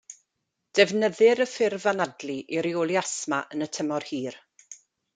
Defnyddir y ffurf anadlu i reoli asthma yn y tymor hir.